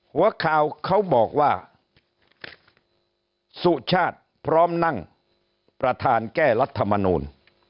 หัวข่าวเขาบอกว่าสุชาติพร้อมนั่งประธานแก้รัฐมนูล